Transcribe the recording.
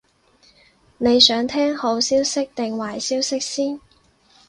你想聽好消息定壞消息先？